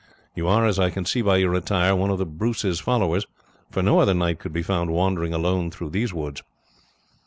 You are, as I can see by your attire, one of the Bruce's followers, for no other knight could be found wandering alone through these woods."